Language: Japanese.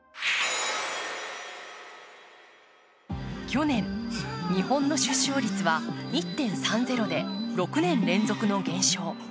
去年、日本の出生率は１．３０で６年連続の減少。